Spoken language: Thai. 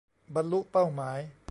บรรลุเป้าหมาย